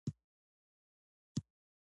چپه برخه په سي او ډي ویشل شوې ده.